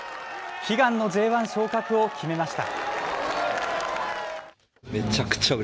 悲願のＪ１昇格を決めました。